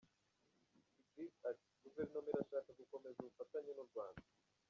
Sigrid ati “ Guverinoma irashaka gukomeza ubufatanye n’u Rwanda.